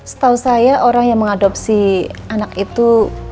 setahu saya orang yang mengadopsi anak itu